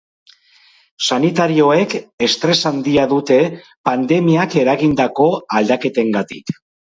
Sanitarioek estres handia dute, pandemiak eragindako aldaketengatik.